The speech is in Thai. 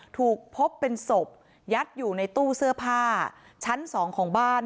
ถูกพบเป็นศพยัดอยู่ในตู้เสื้อผ้าชั้นสองของบ้าน